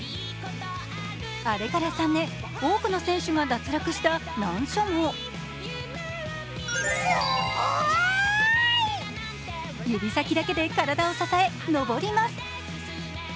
あれから３年多くの選手が脱落した難所も指先だけで体を支え、登ります。